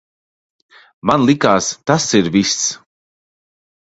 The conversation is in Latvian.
Man likās, tas ir viss.